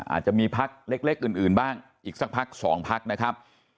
อาจจะมีพักเล็กอื่นบ้างอีกสักพักสองพักนะครับ